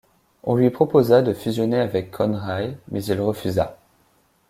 On lui proposa de fusionner avec Conrail, mais il refusa.